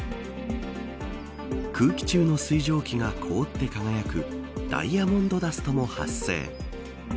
空気中の水蒸気が凍って輝くダイヤモンドダストも発生。